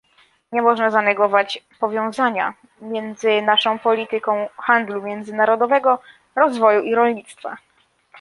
Nie można zanegować powiązania między naszą polityką handlu międzynarodowego, rozwoju i rolnictwa